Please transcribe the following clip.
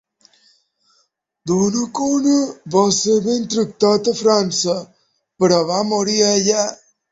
Donnacona va ser ben tractat a França, però va morir allà.